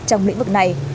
trong lĩnh vực này